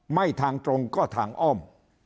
ไม่ทางตรงก็ทางอ้อม